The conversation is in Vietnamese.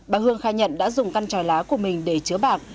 bà hương khai nhận đã dùng căn trò lá của mình để chứa bạc